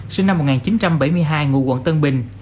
sinh năm một nghìn chín trăm bảy mươi hai ngụ quận tân bình